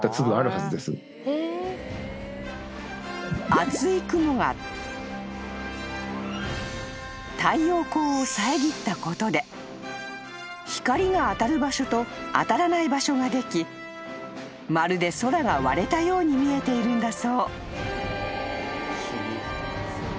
［厚い雲が太陽光を遮ったことで光が当たる場所と当たらない場所ができまるで空が割れたように見えているんだそう］